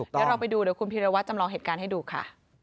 เดี๋ยวเราไปดูเดี๋ยวคุณพีรวัตรจำลองเหตุการณ์ให้ดูค่ะ